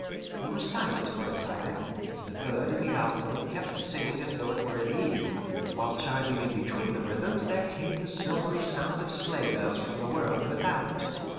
We were silent for a time, and the bird in the alcove kept singing as though it were in Eden, while chiming in between the rhythms there came the silvery sound of sleigh bells from the world without.